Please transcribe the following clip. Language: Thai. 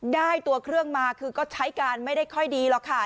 ได้ตัวเครื่องมาคือก็ใช้การไม่ได้ค่อยดีหรอกค่ะ